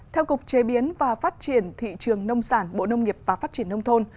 theo cục chế biến và phát triển thị trường nông sản bộ nông nghiệp và phát triển nông thôn